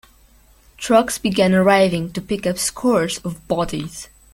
Trucks began arriving to pick up scores of bodies.